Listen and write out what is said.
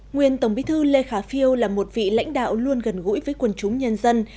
nguyên tổng bí thư lê khả phiêu là một vị lãnh đạo luôn gần gũi với quần chúng nhân dân